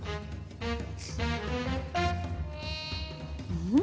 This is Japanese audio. うん？